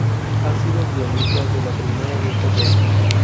Ha sido guionista de la primera de estas obras.